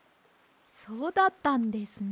そうだったんですね。